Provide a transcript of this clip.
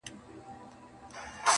اجل احمدزی